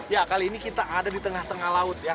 ya kali ini kita ada di tengah tengah laut ya